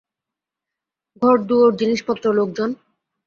ঘরদুয়োর, জিনিসপত্র, লোকজন?